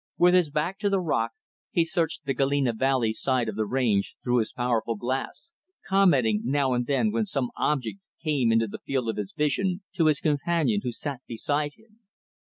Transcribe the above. With his back to the rock, he searched the Galena Valley side of the range, through his powerful glass; commenting, now and then, when some object came in the field of his vision, to his companion who sat beside him.